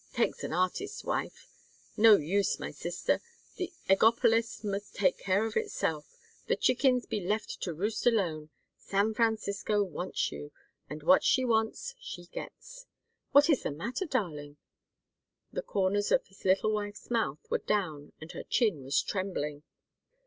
Takes an artist's wife! No use, my sister. The Eggopolis must take care of itself, the chickens be left to roost alone. San Francisco wants you, and what she wants she gets what is the matter, darling?" The corners of his little wife's mouth were down and her chin was trembling.